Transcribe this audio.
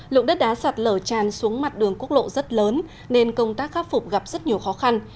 lượng đất đá sạt lở tràn xuống mặt đường quốc lộ rất lớn nên công tác khắc phục gặp rất nhiều khó khăn